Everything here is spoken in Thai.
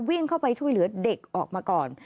วิ่งเข้าไปช่วยเหลือเด็กออกมาก่อน